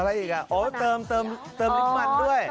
อะไรอีกอ่ะโอ้เติมน้ำมันด้วย